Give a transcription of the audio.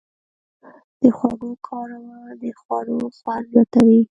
د خوږو کارول د خوړو خوند زیاتوي.